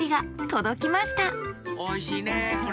おいしいねこれ。